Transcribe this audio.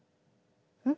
うん？